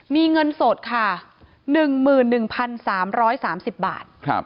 มีเงินสดค่ะ๑๑๓๓๐บาท